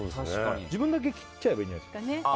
自分だけ切っちゃえばいいんじゃない。